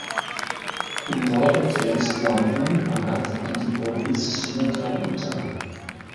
Im Norden grenzt Lampung Barat an die Provinz Sumatra Utara.